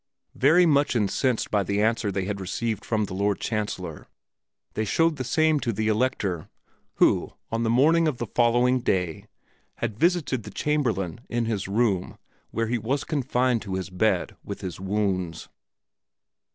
Very much incensed by the answer they had received from the Lord Chancellor, they showed the same to the Elector, who on the morning of the following day had visited the Chamberlain in his room where he was confined to his bed with his wounds.